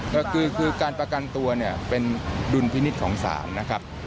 ก็คือการประกันตัวเนี่ยเป็นดุลพินิษฐ์ของศาลนะครับ